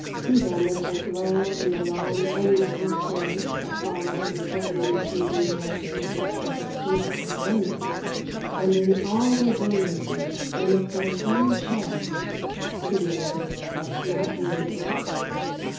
See them as they glow in the long unequal curves that follow the subtly misleading directions of the streets of London, and in all their brilliancy they make but a common show pretty enough, but not beautiful.